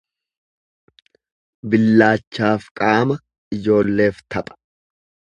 Billaachaaf qaama ijoolleef tapha.